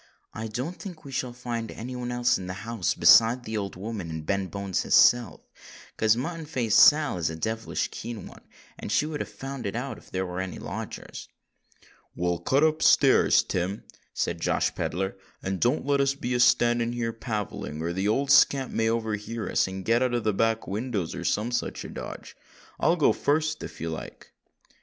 "I don't think we shall find any one else in the house besides that old woman and Ben Bones his self, 'cause Mutton Face Sal is a devilish keen one—and she would have found it out if there was any lodgers." "Well, cut up stairs, Tim," said Josh Pedler, "and don't let us be a standing here palavering—or the old scamp may overhear us and get out by the back windows, or some such a dodge. I'll go fust, if you like."